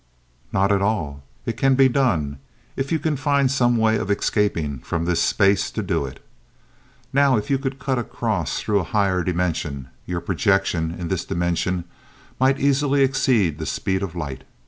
"Not at all. It can be done if you can find some way of escaping from this space to do it. Now if you could cut across through a higher dimension, your projection in this dimension might easily exceed the speed of light.